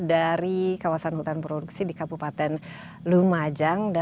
dari kawasan hutan produksi di kabupaten lumajang